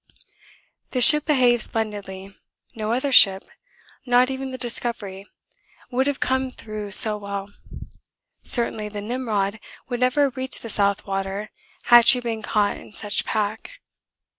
'The ship behaved splendidly no other ship, not even the Discovery, would have come through so well. Certainly the Nimrod would never have reached the south water had she been caught in such pack.